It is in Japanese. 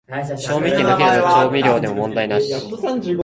賞味期限の切れた調味料でも問題なし